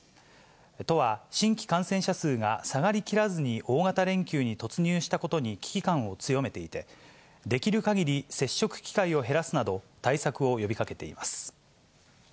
都は、新規感染者数が下がりきらずに大型連休に突入したことに危機感を強めていて、できるかぎり接触機会を減らすなど、対策を呼びかけ